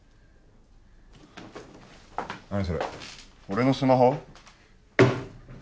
何それ俺のスマホ？